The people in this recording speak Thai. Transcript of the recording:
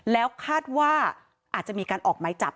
แล้วคาดว่าอาจจะมีการออกไม้จับ